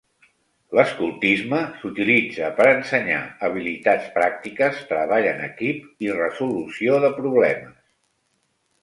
L'escoltisme s'utilitza per ensenyar habilitats pràctiques, treball en equip i resolució de problemes.